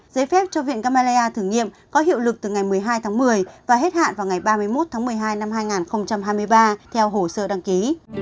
giấy phép cho viện camera thử nghiệm có hiệu lực từ ngày một mươi hai tháng một mươi và hết hạn vào ngày ba mươi một tháng một mươi hai năm hai nghìn hai mươi ba theo hồ sơ đăng ký